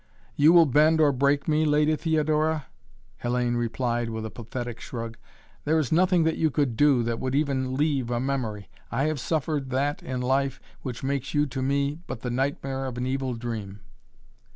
"You will bend or break me, Lady Theodora?" Hellayne replied with a pathetic shrug. "There is nothing that you could do that would even leave a memory. I have suffered that in life which makes you to me but the nightmare of an evil dream."